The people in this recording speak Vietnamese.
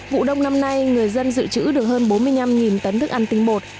vụ đông năm nay người dân dự trữ được hơn bốn mươi năm tấn thức ăn tinh bột